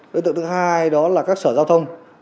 đối tượng thứ hai là các sở giao thông